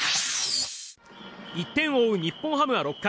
１点を追う日本ハムは６回。